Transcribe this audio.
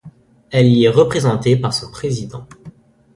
Elle y est représenté par son président.